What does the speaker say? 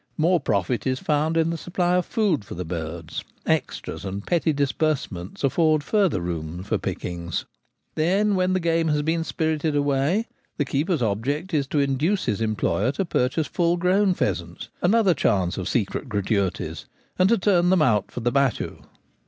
More profit is found in the supply of food for the birds : extras and petty disbursements afford further room for pickings. Then, when the game has been spirited away, the keeper's object is to induce his employer to purchase full grown pheasants — another chance of secret gra tuities — and to turn them out for the battue.